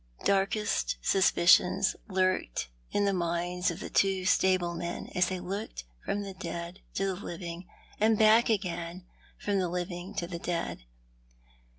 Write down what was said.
Darkest suspicions lurked in the minds of the two stablemen as they looked from the dead to the living, and back again from the living to the dead.